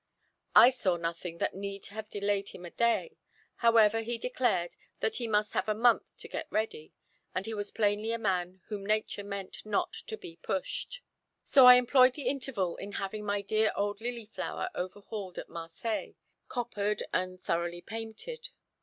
I saw nothing that need have delayed him a day; however, he declared that he must have a month to get ready, and he was plainly a man whom nature meant not to be pushed. So I employed the interval in having my dear old "Lilyflower" overhauled at Marseilles, coppered, and thoroughly painted.